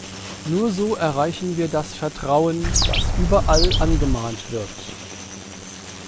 Nur so erreichen wir das Vertrauen, das überall angemahnt wird.